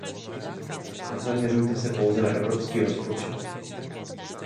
Nezaměřujte se pouze na evropský rozpočet.